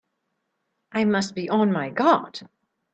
I must be on my guard!